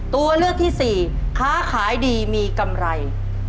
ตัวเลือกที่สี่ค้าขายดีมีกำไร